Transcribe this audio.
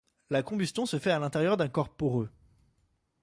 La combustion se fait à l'intérieur d'un corps poreux.